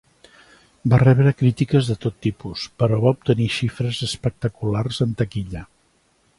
Va rebre crítiques de tot tipus, però va obtenir xifres espectaculars en taquilla.